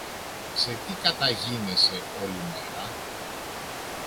Σε τι καταγίνεσαι όλη μέρα;